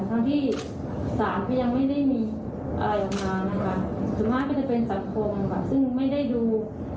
ทั้งที่ศาลก็ยังไม่ได้มีอะไรออกมานะคะส่วนมากก็จะเป็นสังคมค่ะซึ่งไม่ได้ดู